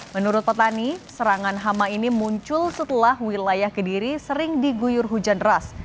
menurut petani serangan hama ini muncul setelah wilayah kediri sering diguyur hujan deras